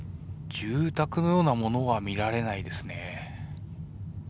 住宅のようなものは見られないですね。